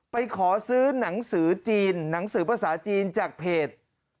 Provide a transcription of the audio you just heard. ไปขอซื้อหนังสือจีนหนังสือภาษาจีนจากเพจ